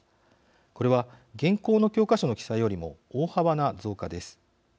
これは現行の教科書の記載よりも大幅な増加です。